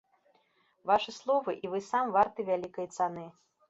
Вашы словы і вы сам варты вялікай цаны.